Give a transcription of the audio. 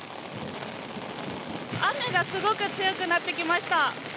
雨がすごく強くなってきました。